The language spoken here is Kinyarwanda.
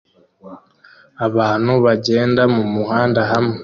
Abantu bagenda mumuhanda hamwe